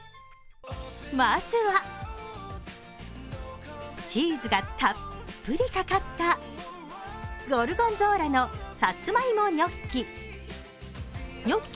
まずは、チーズがたっぷりかかったゴルゴンゾーラのサツマイモニョッキ。